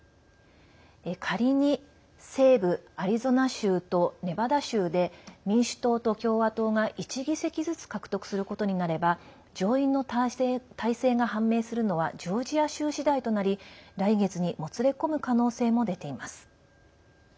仮に、西部アリゾナ州とネバダ州で民主党と共和党が１議席ずつ獲得することになれば上院の大勢が判明するのはジョージア州次第となり来月にもつれこむ可能性も出ています。